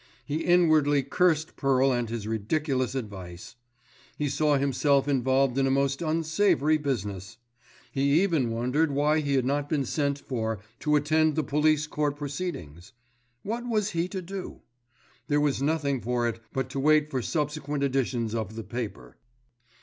He inwardly cursed Pearl and his ridiculous advice. He saw himself involved in a most unsavoury business. He even wondered why he had not been sent for to attend the police court proceedings. What was he to do? There was nothing for it but to wait for subsequent editions of the paper.